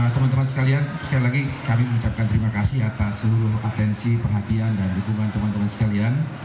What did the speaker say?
teman teman sekalian sekali lagi kami mengucapkan terima kasih atas seluruh atensi perhatian dan dukungan teman teman sekalian